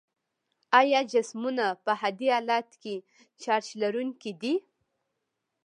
آیا جسمونه په عادي حالت کې چارج لرونکي دي؟